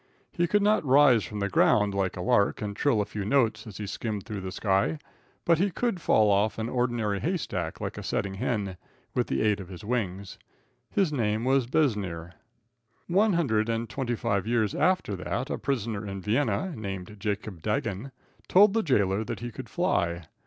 He could not rise from the ground like a lark and trill a few notes as he skimmed through the sky, but he could fall off an ordinary hay stack like a setting hen, with the aid of his wings. His name was Besnier. One hundred and twenty five years after that a prisoner at Vienna, named Jacob Dagen, told the jailer that he could fly.